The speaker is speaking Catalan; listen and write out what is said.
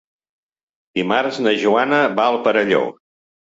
Dimarts na Joana va al Perelló.